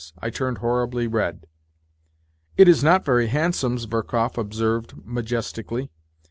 I turned horribly red. " It is not very handsome," Zverkov observed majestically.